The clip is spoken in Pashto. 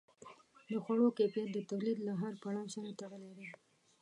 د خوړو کیفیت د تولید له هر پړاو سره تړلی دی.